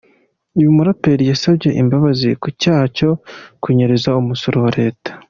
Uyu muraperi yasabye imbabazi ku cyaha cyo kunyereza umusoro wa leta.